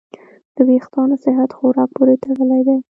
د وېښتیانو صحت خوراک پورې تړلی دی.